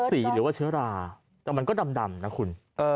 หรือว่าเชื้อราแต่มันก็ดำนะคุณ